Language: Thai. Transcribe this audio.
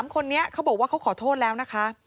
๓คนนี้เขาบอกว่าเขาขอโทษแล้วนะคะ